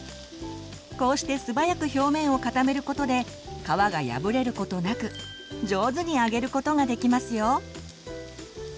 こうして素早く表面を固めることで皮が破れることなく上手に揚げることができますよ。